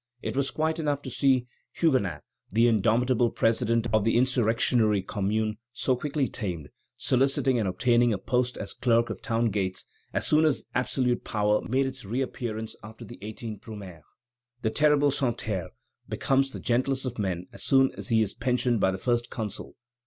It was quite enough to see Huguenin, the indomitable president of the insurrectionary Commune, so quickly tamed, soliciting and obtaining a post as clerk of town gates as soon as absolute power made its reappearance after the 18th Brumaire. The terrible Santerre becomes the gentlest of men as soon as he is pensioned by the First Consul.